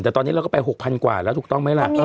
แต่ตอนนี้เราก็ไป๖๐๐กว่าแล้วถูกต้องไหมล่ะ